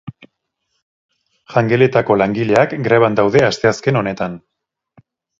Jangeletako langileak greban daude asteazken honetan.